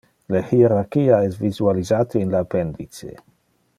Le hierarchia es visualisate in le appendice.